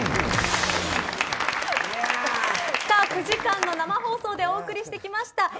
９時間の生放送でお送りしてきました。